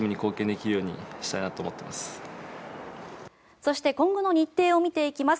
そして今後の日程を見ていきます。